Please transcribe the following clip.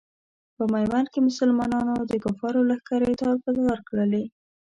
په میوند کې مسلمانانو د کفارو لښکرې تار په تار کړلې.